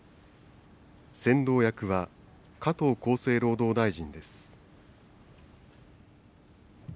先導役は加藤厚生労働大臣です。